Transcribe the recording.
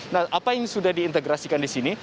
nah apa yang sudah diintegrasikan di sini